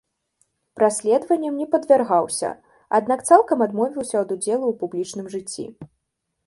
Праследаванням не падвяргаўся, аднак цалкам адмовіўся ад удзелу ў публічным жыцці.